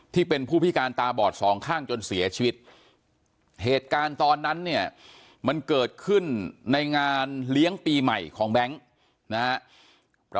ที่เป็นผู้พิการตาบอดสองข้างจนเสียชีวิตเหตุการณ์ตอนนั้นเนี่ยมันเกิดขึ้นในงานเลี้ยงปีใหม่ของแบงค์นะครับ